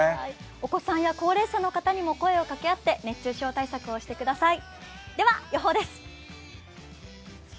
お子さんや高齢者の方にも声をかけ合って熱中症対策をしてください。